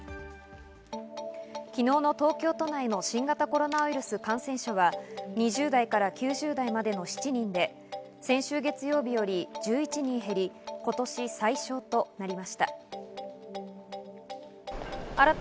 昨日の東京都内の新型コロナウイルス感染者は２０代から９０代までの７人で、先週月曜日より１１人減り、今年最少となりました。